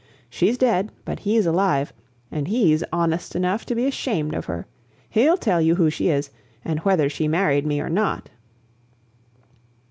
She's dead, but he's alive, and he's honest enough to be ashamed of her. He'll tell you who she is, and whether she married me or not."